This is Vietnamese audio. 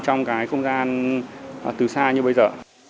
trong cái không gian từ xa như bây giờ